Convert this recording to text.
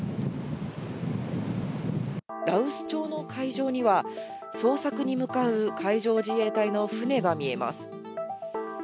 羅臼町の海上には、捜索に向かう海上自衛隊の船が見えます。